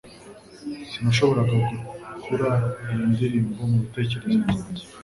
Sinashoboraga gukura iyo ndirimbo mubitekerezo byanjye